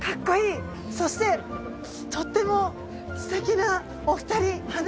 そしてとってもすてきなお２人。